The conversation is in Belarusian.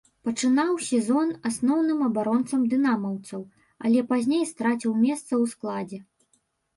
Пачынаў сезон асноўным абаронцам дынамаўцаў, але пазней страціў месца ў складзе.